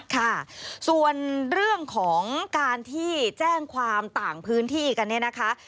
ค่ะส่วนเรื่องของการที่แจ้งความต่างพื้นที่กันเนี่ยนะคะ